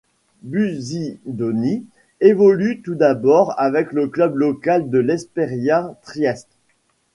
Busidoni évolue tout d'abord avec le club local de l'Esperia Trieste.